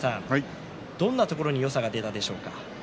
どんなところによさが出ましたか。